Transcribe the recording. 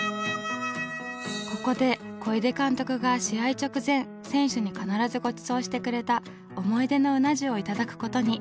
ここで小出監督が試合直前選手に必ずごちそうしてくれた思い出のうな重を頂くことに。